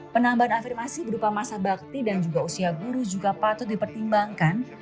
penambahan afirmasi berupa masa bakti dan juga usia guru juga patut dipertimbangkan